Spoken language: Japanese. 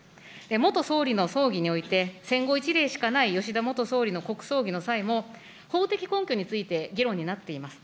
元総理の葬儀において、戦後１例しかない吉田元総理の国葬儀の際も、法的根拠について議論になっています。